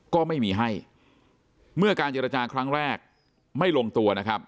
ก็ไม่มีให้เมื่อการเจรจาครั้งแรกไม่ลงตัวนะครับ